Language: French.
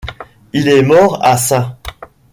Il est mort à St.